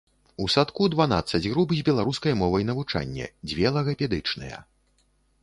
У садку дванаццаць груп з беларускай мовай навучання, дзве лагапедычныя.